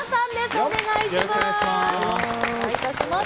お願いします。